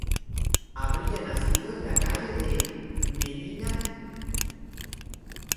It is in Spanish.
Habría nacido en la calle de Media Luna, en Arenas de San Pedro.